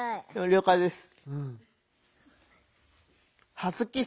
了解です。